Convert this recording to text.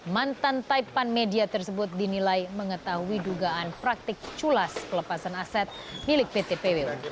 mantan taipan media tersebut dinilai mengetahui dugaan praktik culas pelepasan aset milik pt pwu